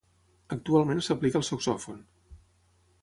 Actualment s'aplica al saxòfon.